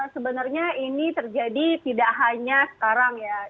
sebenarnya ini terjadi tidak hanya sekarang ya